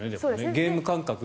ゲーム感覚。